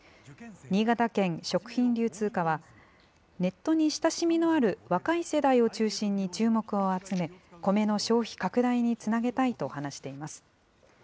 新潟県食品・流通課は、ネットに親しみのある若い世代を中心に注目を集め、コメの消費拡大につなげたいと話しています。